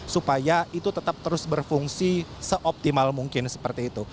supaya itu tetap terus berfungsi seoptimal mungkin seperti itu